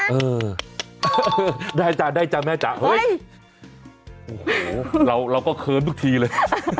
เออได้จ้ะได้จ้ะแม่จ๋าเฮ้ยโอ้โหเราก็เคิร์มทุกทีเลย